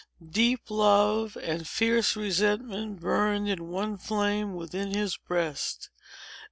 Deep love and fierce resentment burned in one flame within his breast.